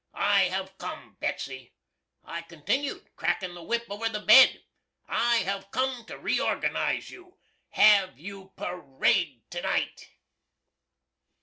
I have cum, Betsy," I continued crackin the whip over the bed "I have cum to reorganize you! Haave you per ayed tonight?"